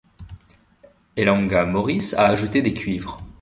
Elanga Maurice a ajouté des cuivres.